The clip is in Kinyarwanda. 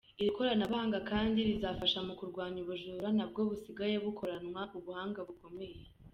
Iri koranabuhanga kandi rizafasha mu kurwanya ubujura nabwo busigaye bukoranwa ubuhanga bukomeye.